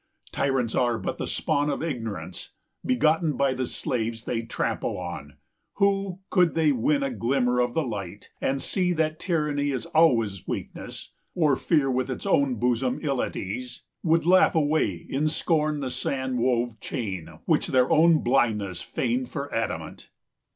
Tyrants are but the spawn of Ignorance, Begotten by the slaves they trample on, 110 Who, could they win a glimmer of the light, And see that Tyranny is always weakness, Or Fear with its own bosom ill at ease, Would laugh away in scorn the sand wove chain Which their own blindness feigned for adamant.